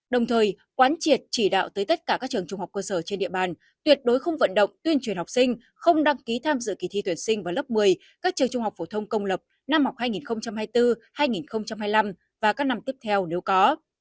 đồng thời quán triệt chỉ đạo tới tất cả các trường trung học cơ sở trên địa bàn tuyệt đối không vận động tuyên truyền học sinh không đăng ký tham dự kỳ thi tuyển sinh vào lớp một mươi các trường trung học phổ thông công lập năm học hai nghìn hai mươi bốn hai nghìn hai mươi năm và các năm tiếp theo nếu có